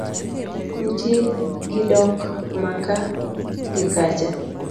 nitie gi dok maka gi kacha